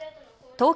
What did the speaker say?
東京